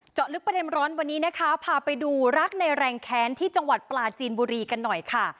ลึกประเด็นร้อนวันนี้นะคะพาไปดูรักในแรงแค้นที่จังหวัดปลาจีนบุรีกันหน่อยค่ะ